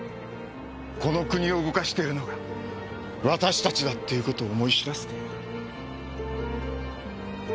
この国を動かしているのが私たちだっていう事を思い知らせてやる。